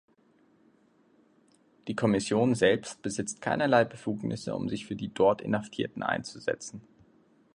Die Kommission selbst besitzt keinerlei Befugnisse, um sich für die dort Inhaftierten einzusetzen.